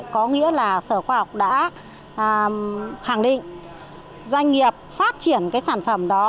có nghĩa là sở khoa học đã khẳng định doanh nghiệp phát triển cái sản phẩm đó